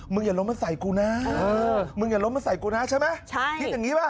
มึงอย่าล้มมาใส่กูนะคิดอย่างนี้ป่ะ